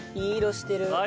いい色してる。